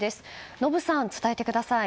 延さん、伝えてください。